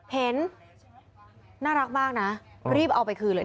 เห็นน่ารักมากนะรีบเอาไปคืนเลย